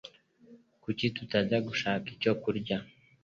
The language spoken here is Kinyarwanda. Kuki tutajya gushaka icyo kurya?